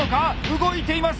動いています！